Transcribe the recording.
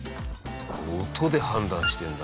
音で判断してんだ。